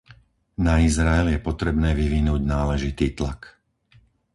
Na Izrael je potrebné vyvinúť náležitý tlak.